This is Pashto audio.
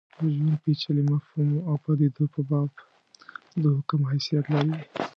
د ژوند پېچلي مفهوم او پدیدو په باب د حکم حیثیت لري.